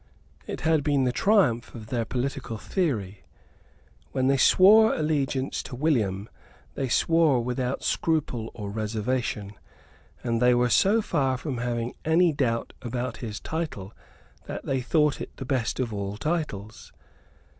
It had been the triumph of their political theory. When they swore allegiance to William, they swore without scruple or reservation; and they were so far from having any doubt about his title that they thought it the best of all titles.